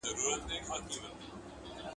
په موږ کي پر يوه کس باندي د ميرمني حقوق څه دي؟